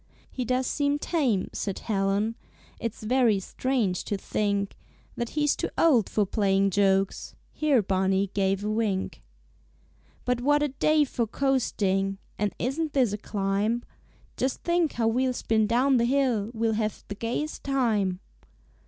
"He does seem tame," said Helen, "It's very strange to think That he's too old for playing jokes." (Here Barney gave a wink.) "But what a day for coasting! And isn't this a climb? Just think how we'll spin down the hill We'll have the gayest time."